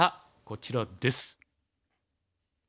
こちらです。